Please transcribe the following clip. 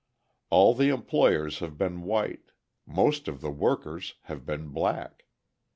All the employers have been white; most of the workers have been black.